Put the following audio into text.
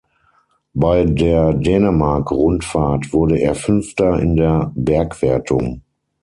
Bei der Dänemark-Rundfahrt wurde er Fünfter in der Bergwertung.